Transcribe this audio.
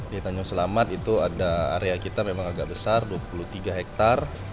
di tanjung selamat itu ada area kita memang agak besar dua puluh tiga hektare